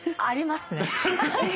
ありますね。